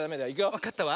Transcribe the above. わかったわ。